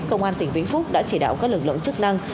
công an tỉnh vĩnh phúc đã chỉ đạo các lực lượng chức năng